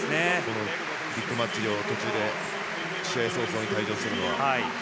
ビッグマッチの途中で試合早々で退場するのは。